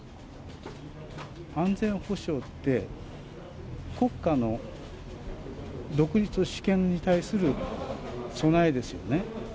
安全保障って国家の独立、主権に対する備えですよね。